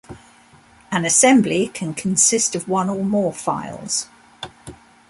An assembly can consist of one or more files.